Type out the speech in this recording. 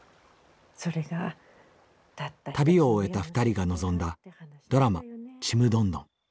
旅を終えた２人が臨んだドラマ「ちむどんどん」。